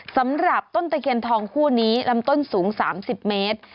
สำหรับต้นตะเคียนทองคู่นี้ลำต้นสูง๓๐เมตร